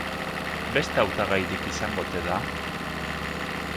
Beste hautagairik izango ote da?